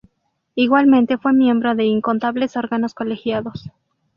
Igualmente fue miembro de incontables órganos colegiados.